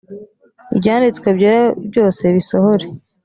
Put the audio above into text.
ibyanditswe byose bisohore